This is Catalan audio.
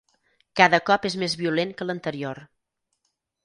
Cada cop és més violent que l'anterior.